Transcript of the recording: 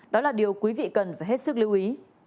đó là điều quý vị cần phải hết sức lưu ý